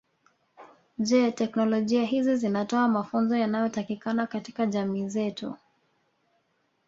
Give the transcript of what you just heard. Je teknolojia hizi zinatoa mafunzo yanayotakikana katika jamii zetu